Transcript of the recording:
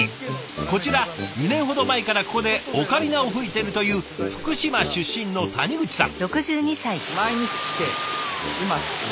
こちら２年ほど前からここでオカリナを吹いているという福島出身の谷口さん。